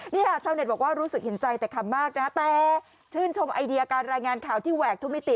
นี่ค่ะชาวเน็ตบอกว่ารู้สึกเห็นใจแต่คำมากนะฮะแต่ชื่นชมไอเดียการรายงานข่าวที่แหวกทุกมิติ